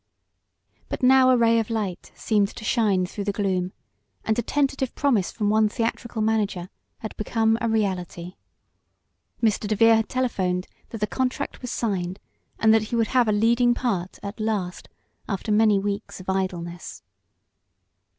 But now a ray of light seemed to shine through the gloom, and a tentative promise from one theatrical manager had become a reality. Mr. DeVere had telephoned that the contract was signed, and that he would have a leading part at last, after many weeks of idleness.